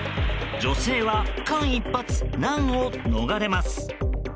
女性は間一髪、難を逃れます。